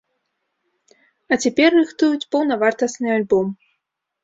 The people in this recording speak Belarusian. А цяпер рыхтуюць паўнавартасны альбом.